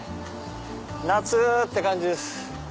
夏！って感じです。